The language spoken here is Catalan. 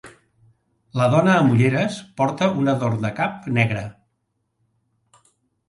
La dona amb ulleres porta un adorn de cap negre